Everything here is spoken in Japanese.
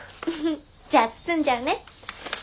じゃあ包んじゃうね。